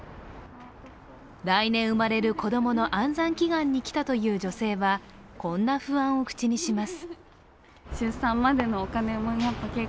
来年生まれる子供の安産祈願に来たという女性はこんな不安を口にします。